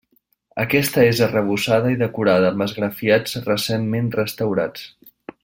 Aquesta és arrebossada i decorada amb esgrafiats recentment restaurats.